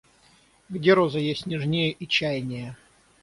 Где роза есть нежнее и чайнее?